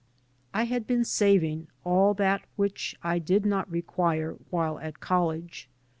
I had been saving all that which I did not require while at college.